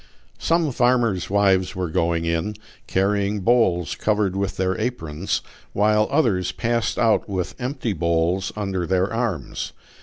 Some farmers' wives were going in, carrying bowls covered with their aprons, while others passed out with empty bowls under their arms.